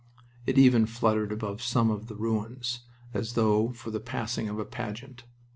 It even fluttered above some of the ruins, as though for the passing of a pageant.